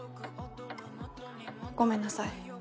ごめんなさい